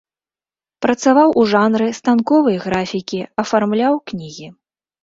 Працаваў у жанры станковай графікі, афармляў кнігі.